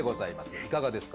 いかがですか？